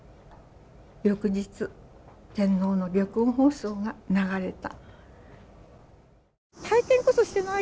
「翌日天皇の玉音放送が流れた」。